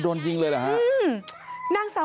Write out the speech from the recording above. กังฟูเปล่าใหญ่มา